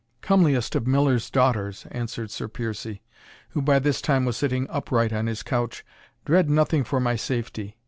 "Comeliest of miller's daughters," answered Sir Piercie, who by this time was sitting upright on his couch, "dread nothing for my safety.